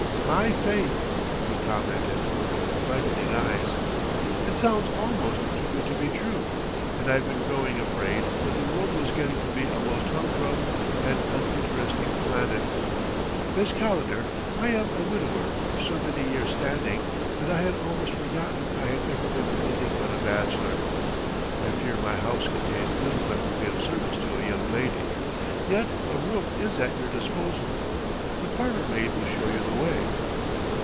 "My faith!" he commented, with brightening eyes. "It sounds almost too good to be true! And I've been growing afraid that the world was getting to be a most humdrum and uninteresting planet!... Miss Calendar, I am a widower of so many years standing that I had almost forgotten I had ever been anything but a bachelor. I fear my house contains little that will be of service to a young lady. Yet a room is at your disposal; the parlor maid shall show you the way.